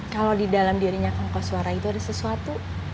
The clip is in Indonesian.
kalau di dalam dirinya kengkos suara itu ada sesuatu